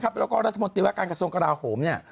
แล้วก็รัฐมนตรีวัตรการกระทรวงกระดาษโขมเนี่ย